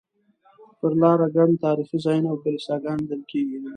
پر لاره ګڼ تاریخي ځایونه او کلیساګانې لیدل کېدې.